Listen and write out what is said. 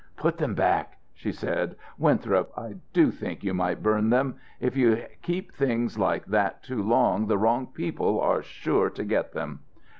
"Put them back," she said. "Winthrop, I do think you might burn them. If you keep things like that too long the wrong people are sure to get them."